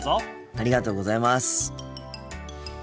ありがとうございます。